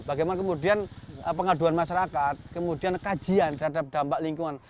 bagaimana kemudian pengaduan masyarakat kemudian kajian terhadap dampak lingkungan